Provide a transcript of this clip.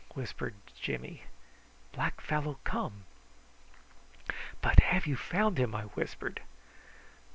whispered Jimmy. "Black fellow come." "But have you found him?" I whispered.